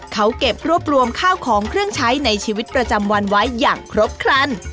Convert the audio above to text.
เขาเก็บรวบรวมข้าวของเครื่องใช้ในชีวิตประจำวันไว้อย่างครบครัน